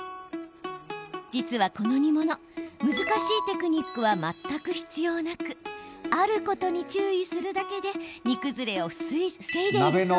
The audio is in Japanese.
実は、この煮物難しいテクニックは全く必要なくあることに注意するだけで煮崩れを防いでいるそう。